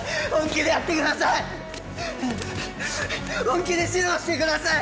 本気で指導してください！